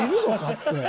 って。